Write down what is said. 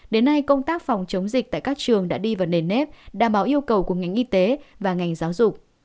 đến nay công tác phòng chống dịch tại các trường đã đi vào nền nếp đảm bảo yêu cầu của ngành y tế và ngành giáo dục